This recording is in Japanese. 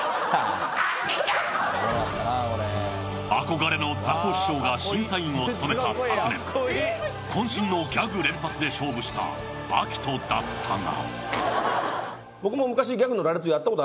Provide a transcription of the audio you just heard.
憧れのザコシショウが審査員を務めた昨年渾身のギャグ連発で勝負したアキトだったが。